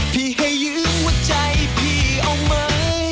ให้ยื้อหัวใจพี่เอาไหม